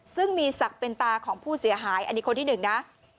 ซึ่งมีศักดิ์เป็นตาของผู้เสียหายอันนี้คนที่หนึ่งนะ